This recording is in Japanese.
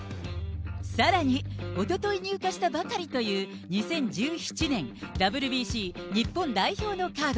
さらに、おととい入荷したばかりという２０１７年、ＷＢＣ日本代表のカード。